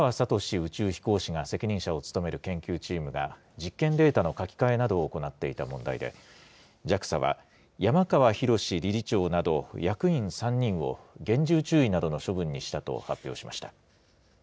宇宙飛行士が責任者を務める研究チームが実験データの書き換えなどを行っていた問題で、ＪＡＸＡは、山川宏理事長など、役員３人を厳重注意などの処分にしたと発表しました。